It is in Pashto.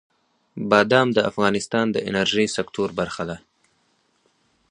بادام د افغانستان د انرژۍ سکتور برخه ده.